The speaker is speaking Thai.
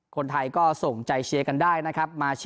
คนไทยก็ส่งใจเชียร์กันได้นะครับ